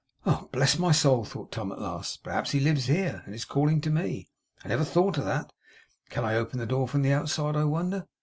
'Bless my soul!' thought Tom at last. 'Perhaps he lives here, and is calling to me. I never thought of that. Can I open the door from the outside, I wonder.